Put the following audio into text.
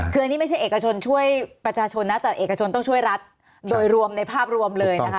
คืออันนี้ไม่ใช่เอกชนช่วยประชาชนนะแต่เอกชนต้องช่วยรัฐโดยรวมในภาพรวมเลยนะคะ